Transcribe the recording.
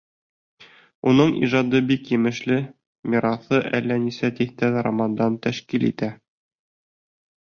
Уның ижады бик емешле, мираҫы әллә нисә тиҫтә романды тәшкил итә.